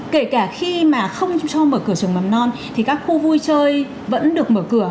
kể cả khi mà không cho mở cửa trường mầm non thì các khu vui chơi vẫn được mở cửa